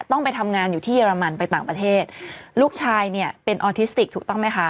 ต้องไปทำงานอยู่ที่เรมันไปต่างประเทศลูกชายเนี่ยเป็นออทิสติกถูกต้องไหมคะ